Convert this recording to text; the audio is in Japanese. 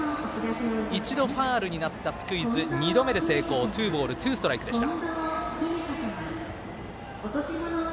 一度、ファウルになったスクイズ２度目で成功、ツーボールツーストライクでした。